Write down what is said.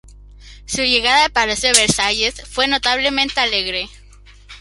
Su llegada al Palacio de Versalles fue notablemente alegre.